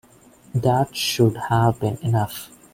That should have been enough.